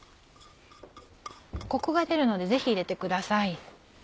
コクが出るのでぜひ入れてください。